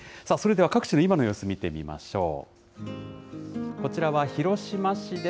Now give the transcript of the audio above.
それでは各地の今の様子を見てみましょう。